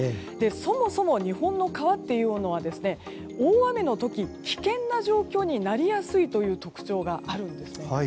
そもそも日本の川というのは大雨の時危険な状況になりやすいという特徴があるんですね。